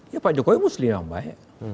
ya pak jokowi muslim yang baik